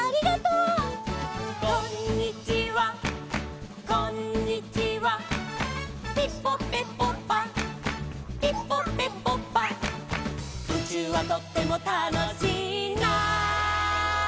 「うちゅうはとってもたのしいな」